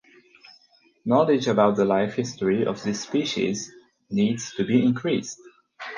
Knowledge about the life history of this species needs to be increased.